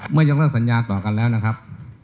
ยกเลิกสัญญาต่อกันแล้วนะครับ